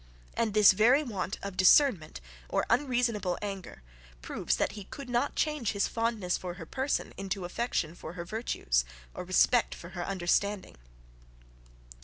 And this very want of discernment or unreasonable anger, proves that he could not change his fondness for her person into affection for her virtues or respect for her understanding.